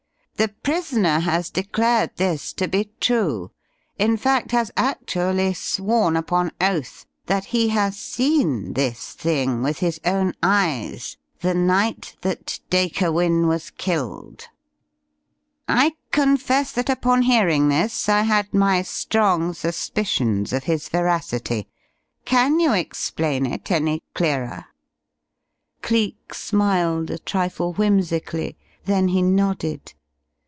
The prisoner has declared this to be true; in fact, has actually sworn upon oath, that he has seen this thing with his own eyes the night that Dacre Wynne was killed. I confess that upon hearing this, I had my strong suspicions of his veracity. Can you explain it any clearer?" Cleek smiled a trifle whimsically, then he nodded.